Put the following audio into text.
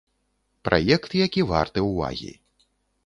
Праект, які варты ўвагі.